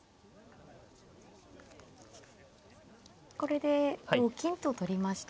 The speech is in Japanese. これで同金と取りまして。